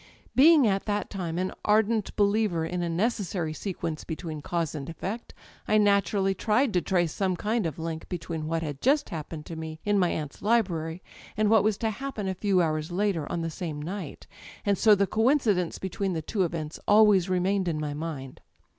Being at that time an ardent believer in a necessary sequence between cause and effect I naturally tried to trace some kind of link between what had just happened to me'in my aunt's library, and what was to happen a few hours later on the same night; and so the coincidence between the two events always remained in my mind.